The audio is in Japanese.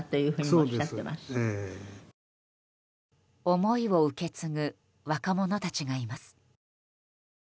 思いを受け継ぐ若者たちがいます。